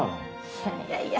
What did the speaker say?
いやいやいや。